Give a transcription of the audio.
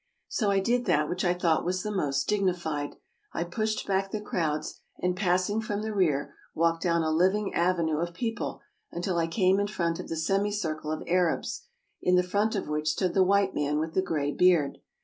So I did that which I thought was the most dignified. I pushed back the crowds, and passing from the rear, walked down a living avenue of people, until I came in front of the semicircle of Arabs, in the front of which stood the white man with the gray beard.